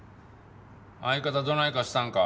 相方どないかしたんか？